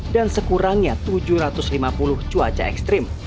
dan sekurangnya tujuh ratus lima puluh cuaca ekstrim